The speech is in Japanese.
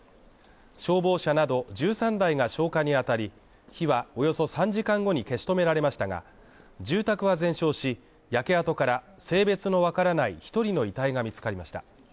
消防車など１３台が消火にあたり、火はおよそ３時間後に消し止められましたが住宅は全焼し、焼け跡から性別のわからない１人の遺体が見つかりました。